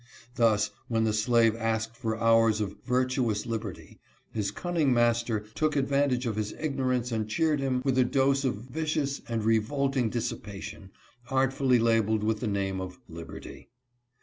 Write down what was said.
Thus, when the slave asked for hours of " virtuous liberty," his cunning master took advantage of his igno rance and cheered him with a dose of vicious and revolt ing dissipation artfully labeled with the name of " liberty."